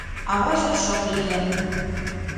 Аваже шып лийын.